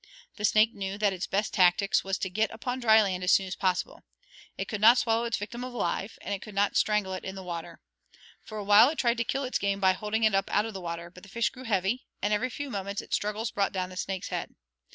The snake knew that its best tactics was to get upon dry land as soon as possible. It could not swallow its victim alive, and it could not strangle it in the water. For a while it tried to kill its game by holding it up out of the water, but the fish grew heavy, and every few moments its struggles brought down the snake's head.